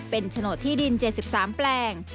เป็นโฉนดที่ดิน๗๓แปลง